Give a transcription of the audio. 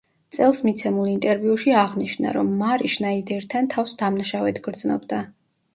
წელს მიცემულ ინტერვიუში აღნიშნა, რომ მარი შნაიდერთან თავს დამნაშავედ გრძნობდა.